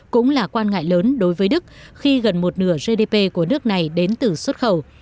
cũng là quan ngại lớn đối với đức khi gần một nửa gdp của nước này đến từ xuất khẩu